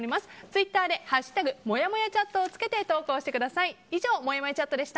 ツイッターで「＃もやもやチャット」をつけて投稿してください。